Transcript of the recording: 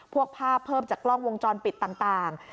ภาพเพิ่มจากกล้องวงจรปิดต่าง